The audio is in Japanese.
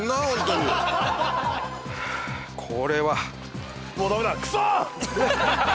これは。